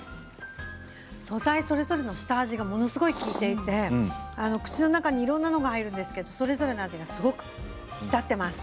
素材それぞれの下味がものすごく利いていて口の中にいろいろ入るんですけれども、それぞれの味がすごく引き立っています。